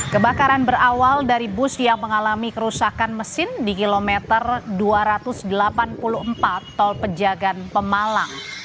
kebakaran berawal dari bus yang mengalami kerusakan mesin di kilometer dua ratus delapan puluh empat tol pejagan pemalang